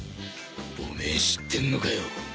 オメエ知ってんのかよ